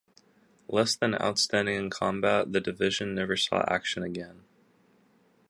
Less than outstanding in combat, the division never saw action again.